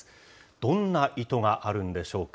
どんな意図があるんでしょうか。